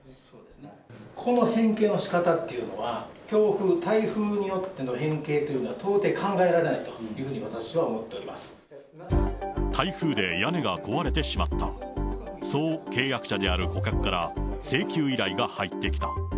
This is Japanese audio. この変形のしかたっていうのは、強風、台風によっての変形というのは到底考えられないと、台風で屋根が壊れてしまった、そう契約者である顧客から請求依頼が入ってきた。